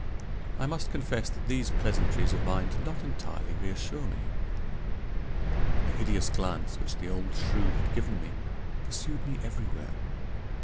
I must confess that these pleasantries of mine did not entirely reassure me. The hideous glance which the old shrew had given me pursued me everywhere.